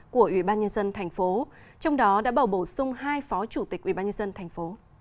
của ủy ban nhân dân tp trong đó đã bầu bổ sung hai phó chủ tịch ủy ban nhân dân tp